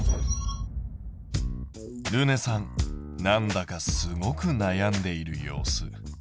るねさんなんだかすごく悩んでいる様子。